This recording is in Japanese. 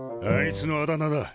あいつのあだ名だ。